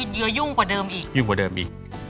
ยึดเยอะยุ่งกว่าเดิมอีก